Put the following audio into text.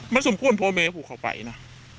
มันสมควรพ่อแม่ก็พูดเขาไปนะ